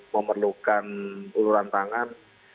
memerlukan uluran tangan